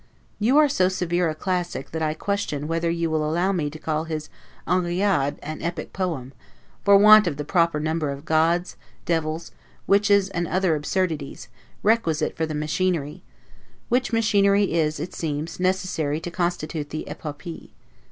You are so severe a classic that I question whether you will allow me to call his 'Henriade' an epic poem, for want of the proper number of gods, devils, witches and other absurdities, requisite for the machinery; which machinery is, it seems, necessary to constitute the 'epopee'.